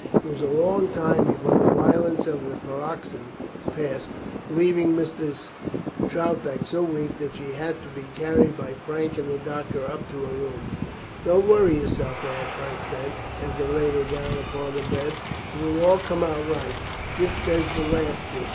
It was a long time before the violence of the paroxysm passed, leaving Mrs. Troutbeck so weak that she had to be carried by Frank and the doctor up to her room. "Don't you worry yourself, Aunt," Frank said, as they laid her down upon the bed; "it will all come out right, just as the last did.